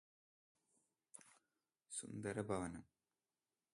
സുന്ദരഭവനം